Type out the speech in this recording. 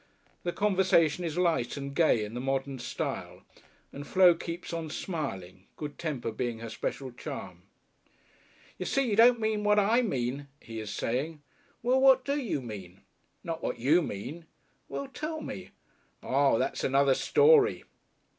The conversation is light and gay in the modern style, and Flo keeps on smiling, good temper being her special charm. "Ye see, you don' mean what I mean," he is saying. "Well, what do you mean?" "Not what you mean!" "Well, tell me." "Ah! That's another story."